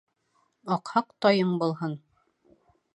Аҡһаҡ тайың булһын.